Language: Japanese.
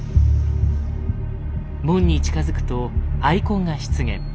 門に近づくとアイコンが出現。